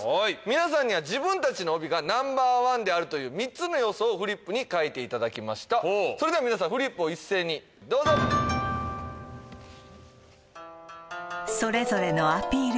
皆さんには自分たちの帯がナンバーワンであるという３つの要素をフリップに書いていただきましたそれでは皆さんフリップを一斉にどうぞそれぞれのアピール